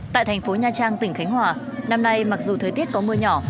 tại thành phố nha trang tỉnh khánh hòa năm nay mặc dù thời tiết có mưa nhỏ